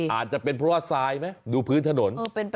อาจจะเป็นเพราะว่าทรายไหมดูพื้นถนน